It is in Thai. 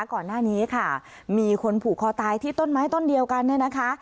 ก่อนหน้านี้ค่ะมีคนผูกคอตายที่ต้นไม้ต้นเดียวกันเนี่ยนะคะ